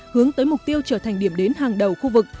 hướng tới mục tiêu trở thành điểm đến hàng đầu khu vực